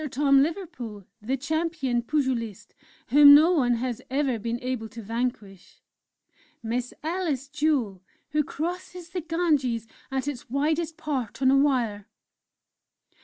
Tom Liverpool, the Champion Pugilist, whom no one has ever been able to vanquish! "Miss Alice Jewel, who crosses the Ganges at its widest part on a Wire!"...